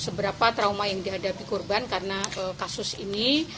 seberapa trauma yang dihadapi korban karena kasus ini